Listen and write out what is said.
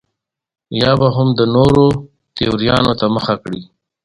یا به هم د نورو تیوریانو ته مخه کړي.